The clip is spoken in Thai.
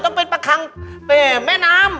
ต้องเป็นประคังแม่น้ำ